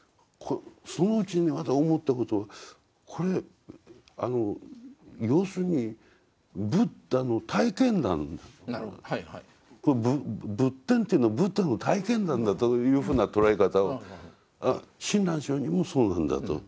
そのうちにねまた思ったことはこれ要するにブッダの体験談仏典というのはブッダの体験談だというふうな捉え方を親鸞聖人もそうなんだと。